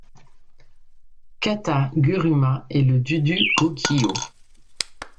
Kata-Guruma est le du du Gokyo.